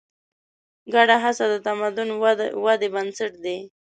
ګډه هڅه د تمدن ودې بنسټ دی.